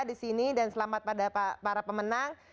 di sini dan selamat pada para pemenang